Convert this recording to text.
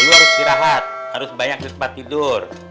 dulu harus istirahat harus banyak di tempat tidur